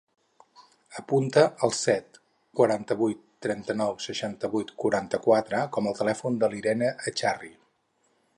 Apunta el set, quaranta-vuit, trenta-nou, seixanta-vuit, quaranta-quatre com a telèfon de l'Irene Echarri.